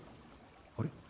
あれ？